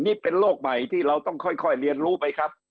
นี่เป็นโลกใหม่ที่เราต้องค่อยเรียนรู้ไปครับ